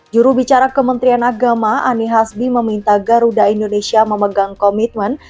jurubicara kementerian agama ani hasbi meminta garuda indonesia memegang komitmen